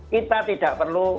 kita tidak perlu